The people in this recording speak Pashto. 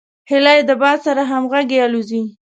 هیلۍ د باد سره همغږي الوزي